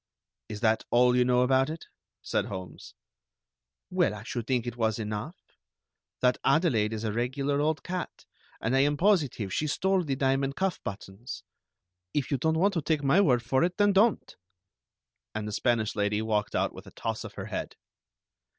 "Is that all you know about it?" said Holmes. "Well, I should think it was enough. That Adelaide is a regular old cat, and I am positive she stole the diamond cuff buttons. If you don't want to take my word for it, then don't!" And the Spanish lady walked out with a toss of her head.